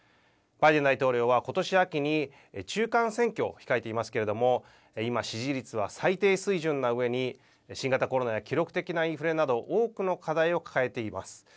バイデン大統領はことし秋に中間選挙を控えていますけれども今、支持率は最低水準なうえに新型コロナや記録的なインフレなど多くの課題を抱えています。